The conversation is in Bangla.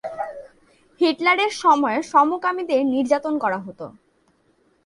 হিটলারের সময়ে সমকামীদের নির্যাতন করা হত।